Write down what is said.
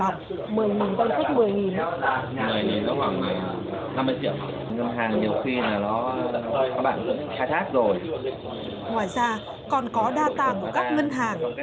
ngoài ra còn có data của các ngân hàng